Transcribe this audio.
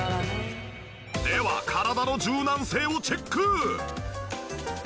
では体の柔軟性をチェック！